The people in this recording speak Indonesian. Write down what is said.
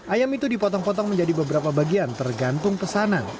ayam itu dipotong potong menjadi beberapa bagian tergantung pesanan